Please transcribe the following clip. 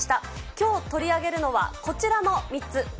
きょう取り上げるのは、こちらの３つ。